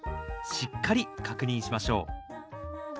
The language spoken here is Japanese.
しっかり確認しましょう。